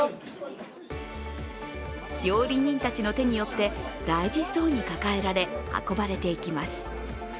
料理人たちの手によって大事そうに抱えられ運ばれていきます。